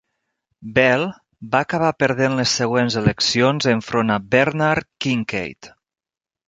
Bel va acabar perdent les següents eleccions enfront a Bernard Kincaid.